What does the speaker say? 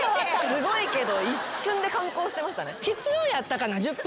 すごいけど一瞬で観光してましたね。